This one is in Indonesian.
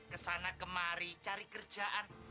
kesana ke mari cari kerjaan